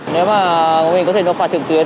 nếu mà mình có thể nộp phạt trực tuyến